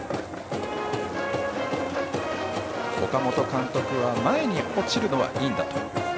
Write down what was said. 岡本監督は前に落ちるのはいいんだと。